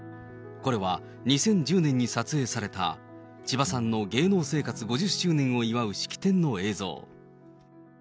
これは２０１０年に撮影された、千葉さんの芸能生活５０周年を祝う式典の映像。